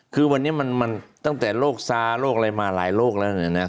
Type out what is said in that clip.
คือวันนี้มันตั้งแต่โรคซ้าโรคอะไรมาหลายโรคแล้วนะ